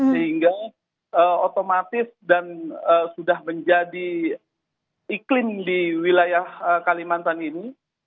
sehingga otomatis dan sudah menjadi iklim di wilayah kalimantan ini